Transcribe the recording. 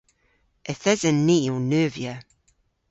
Yth esen ni ow neuvya.